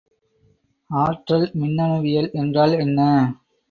ஆற்றல் மின்னணுவியல் என்றால் என்ன?